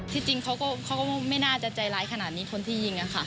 จริงเขาก็ไม่น่าจะใจร้ายขนาดนี้คนที่ยิงค่ะ